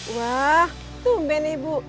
wah sumben ibu